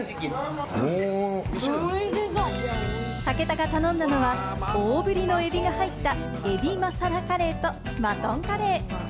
武田が頼んだのは大振りのエビが入った、エビマサラカレーとマトンカレー。